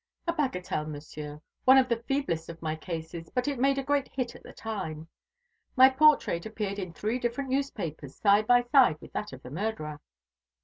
"A bagatelle, Monsieur, one of the feeblest of my cases: but it made a great hit at the time. My portrait appeared in three different newspapers, side by side with that of the murderer."